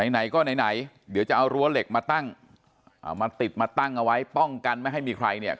ไหนก็ไหนไหนเดี๋ยวจะเอารั้วเหล็กมาตั้งเอามาติดมาตั้งเอาไว้ป้องกันไม่ให้มีใครเนี่ย